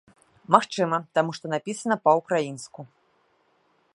Магчыма, таму, што напісана па-ўкраінску.